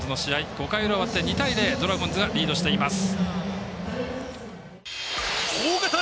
５回裏終わって２対０ドラゴンズがリードしています。